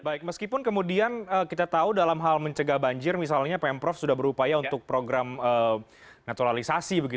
baik meskipun kemudian kita tahu dalam hal mencegah banjir misalnya pemprov sudah berupaya untuk program naturalisasi